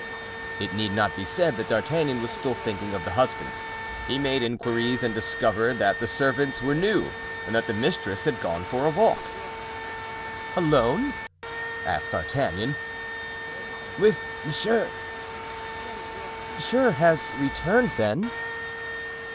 It need not be said that D'Artagnan was still thinking of the husband. He made inquiries and discovered that the servants were new and that the mistress had gone for a walk. "Alone?" asked D'Artagnan. "With monsieur." "Monsieur has returned, then?"